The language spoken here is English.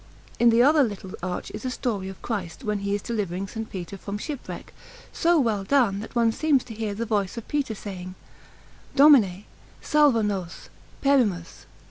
In the other little arch is a story of Christ when he is delivering S. Peter from shipwreck, so well done that one seems to hear the voice of Peter saying: "Domine, salva nos, perimus."